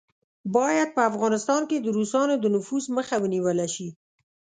باید په افغانستان کې د روسانو د نفوذ مخه ونیوله شي.